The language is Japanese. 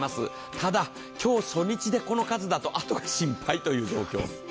ただ今日初日でこの数だとあとが心配という状況。